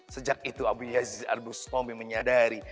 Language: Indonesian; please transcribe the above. sejak itu abu yazid al bustami menyadari